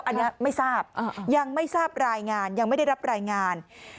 อันนี้ไม่ทราบยังไม่ทราบรายงานยังไม่ได้รับรายงาน